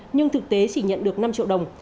nhưng thực tế chỉ nhận được năm triệu đồng